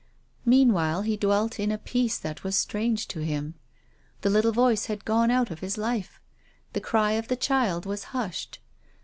Meanwhile he dwelt in a peace that was strange to him. The little voice had gone out of his life. The cry of the child was hushed.